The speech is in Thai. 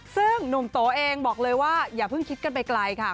ซึ่งหนุ่มโตเองบอกเลยว่าอย่าเพิ่งคิดกันไปไกลค่ะ